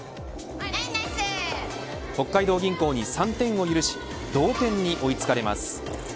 北海道銀行に３点を許し同点に追い付かれます。